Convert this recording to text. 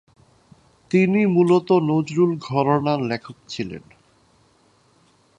তিনি মূলত নজরুল ঘরানার লেখক ছিলেন।